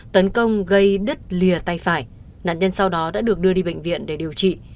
tấn công gây đứt lìa tay phải nạn nhân sau đó đã được đưa đi bệnh viện để điều trị